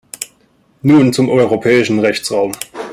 Nun zum europäischen Rechtsraum.